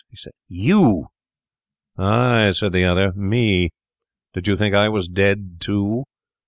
he said, 'You!' 'Ay,' said the other, 'me! Did you think I was dead too?